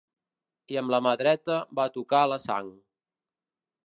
I amb la mà dreta va tocar la sang